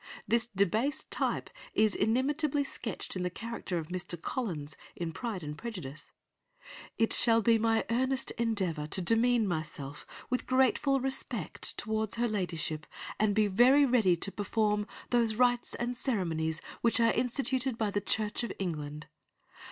This debased type is inimitably sketched in the character of Mr. Collins in Pride and Prejudice. "'It shall be my earnest endeavour to demean myself with grateful respect towards her ladyship, and be very ready to perform those rites and ceremonies which are instituted by the Church of England.